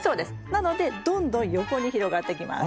なのでどんどん横に広がってきます。